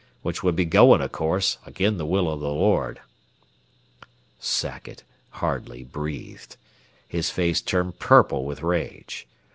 Which would be goin', o' course, agin the will o' the Lord." Sackett hardly breathed. His face turned purple with rage.